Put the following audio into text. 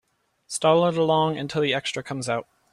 Stall it along until the extra comes out.